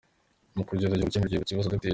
Mu kugerageza gukemura ibyo bibazo, Dr.